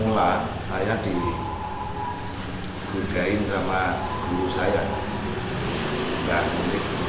harusnya dia bisa menerima imbasih dari seorang petani yang mereka sudah sakini